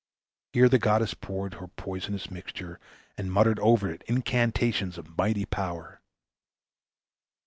Here the goddess poured her poisonous mixture, and muttered over it incantations of mighty power.